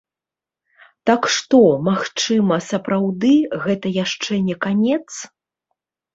Так што, магчыма, сапраўды, гэта яшчэ не канец?